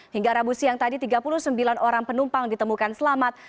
hingga rabu siang tadi tiga puluh sembilan orang penumpang ditemukan selamat